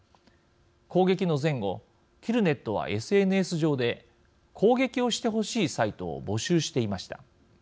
攻撃の前後キルネットは、ＳＮＳ上で攻撃をしてほしいサイトを募集していました。